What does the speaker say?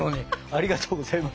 ありがとうございます。